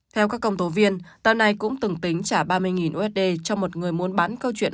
theo các công tố viên tờ này cũng từng tính trả ba mươi usd cho một người muốn bán câu chuyện